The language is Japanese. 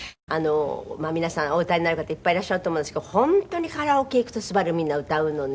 皆さん、お歌いになる方いっぱいいらっしゃると思うんですけど本当にカラオケ行くと『昴−すばる−』みんな歌うのね。